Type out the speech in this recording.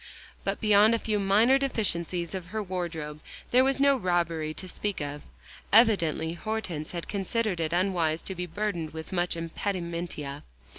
But beyond a few minor deficiencies of her wardrobe, there was no robbery to speak of. Evidently Hortense had considered it unwise to be burdened with much impedimenta.